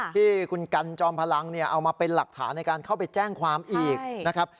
ที่คุณกันจอมพลังเอามาเป็นหลักฐานในการเข้าไปแจ้งความอีกนะครับ